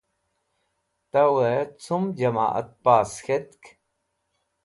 Tawey Cum Jama't pass K̃hetk?